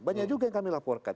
banyak juga yang kami laporkan